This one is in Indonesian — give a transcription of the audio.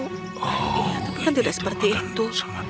tapi bukan tidak seperti itu